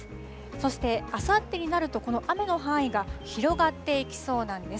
そしてあさってになると、この雨の範囲が広がっていきそうなんです。